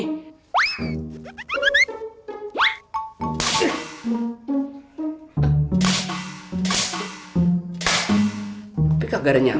tapi kaget ada nyamuk